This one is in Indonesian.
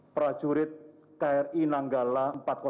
prajurit kri nanggala empat ratus dua